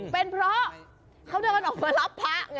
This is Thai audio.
เป็นเพราะเขาเดินออกมารับพระไง